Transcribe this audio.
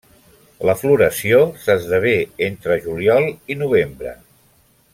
La floració s'esdevé entre juliol i novembre.